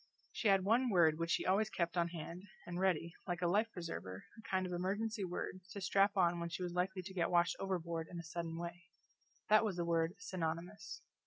She had one word which she always kept on hand, and ready, like a life preserver, a kind of emergency word to strap on when she was likely to get washed overboard in a sudden way that was the word Synonymous.